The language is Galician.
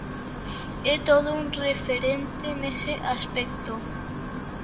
É todo un referente nese aspecto.